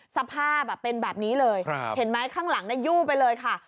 สภาพเป็นแบบนี้เลยเห็นไหมข้างหลังยู่ไปเลยค่ะ